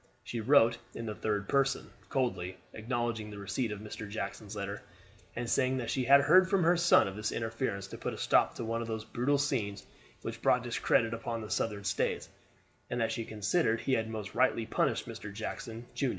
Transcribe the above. She wrote in the third person, coldly acknowledging the receipt of Mr. Jackson's letter, and saying that she had heard from her son of his interference to put a stop to one of those brutal scenes which brought discredit upon the Southern States, and that she considered he had most rightly punished Mr. Jackson, jun.